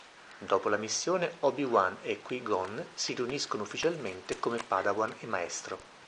Dopo la missione, Obi-Wan e Qui-Gon si riuniscono ufficialmente come Padawan e maestro.